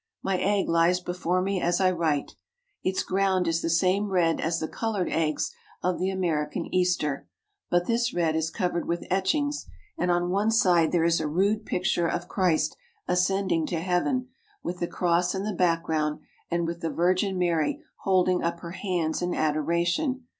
My egg lies before me as I write. Its ground is the same red as the coloured eggs of the American Easter, but this red is covered with etchings and on one side there is a rude picture of Christ ascending to heaven, with the cross in the background and with the Virgin Mary hold ing up her hands in adoration.